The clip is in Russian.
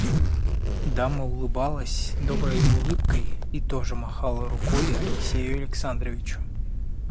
Дама улыбалась доброю улыбкой и тоже махала рукой Алексею Александровичу.